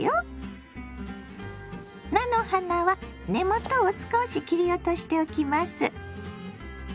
菜の花は根元を少し切り落としておきます。